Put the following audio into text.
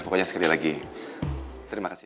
pokoknya sekali lagi terima kasih